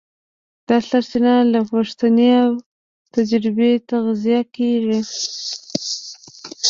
دا سرچینه له پوښتنې او تجربې تغذیه کېږي.